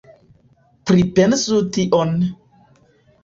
Pripensu tion!